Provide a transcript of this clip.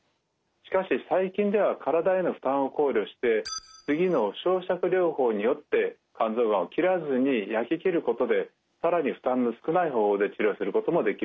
しかし最近では体への負担を考慮して次の焼しゃく療法によって肝臓がんを切らずに焼き切ることで更に負担の少ない方法で治療することもできるんですね。